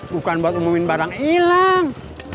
bukan buat umumin barang hilang